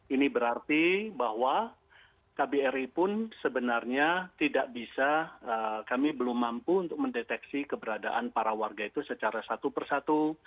ini berarti bahwa kbri pun sebenarnya tidak bisa kami belum mampu untuk mendeteksi keberadaan para warga itu secara satu persatu